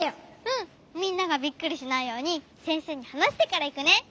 うんみんながびっくりしないようにせんせいにはなしてからいくね。